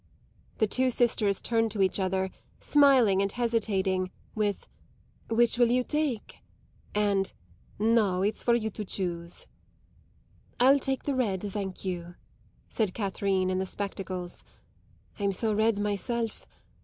The two sisters turned to each other, smiling and hesitating, with "Which will you take?" and "No, it's for you to choose." "I'll take the red, thank you," said Catherine in the spectacles. "I'm so red myself.